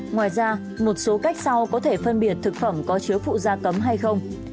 ngoài ra một số cách sau có thể phân biệt thực phẩm có chứa phụ da cấm hay không